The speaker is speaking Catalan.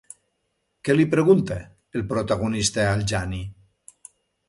Què li pregunta el protagonista al Jani?